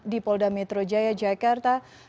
di polda metro jaya jakarta